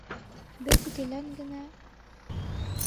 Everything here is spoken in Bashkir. — Беҙ гелән генә...